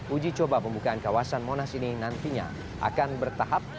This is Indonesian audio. uji coba pembukaan kawasan monas ini nantinya akan bertahap